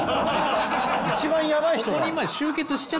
一番やばい人が。